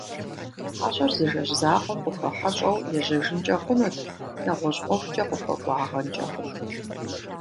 Хьэщӏэр зы жэщ закъуэм къыхуэхьэщӏэу ежьэжынкӏэ хъунут, нэгъуэщӏ ӏуэхукӏэ къыхуэкӏуагъэнкӏэ хъунут.